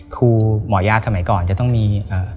ครูหมอยาสมัยก่อนจะต้องมี